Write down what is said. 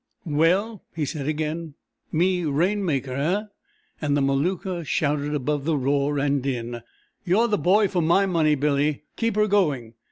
"Well?" he said again, "Me rainmaker, eh?" and the Maluka shouted above the roar and din: "You're the boy for my money, Billy! Keep her going!"